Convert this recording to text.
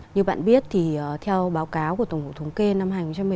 như bạn biết theo báo cáo của tổng hộ thống kê năm hai nghìn một mươi bảy